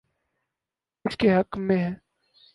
اس کے حق میں ہے۔